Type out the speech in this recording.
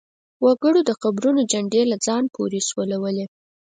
وګړو د قبرونو چنډې له ځان پورې سولولې.